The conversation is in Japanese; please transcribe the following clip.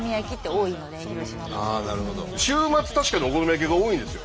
週末確かにお好み焼きが多いんですよ。